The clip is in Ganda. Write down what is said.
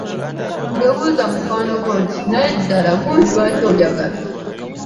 "Ggwe buuza mukwano gwo nti, “ Naye ddala gundi lwaki onjagala ?"""